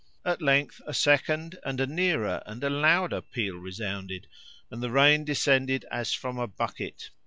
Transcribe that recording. At length a second and a nearer and a louder peal resounded, and the rain descended as from a bucket.